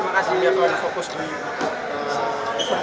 kami akan fokus di event selanjutnya